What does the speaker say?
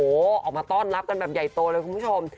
โอ้โหออกมาต้อนรับกันแบบใหญ่โตเลยคุณผู้ชม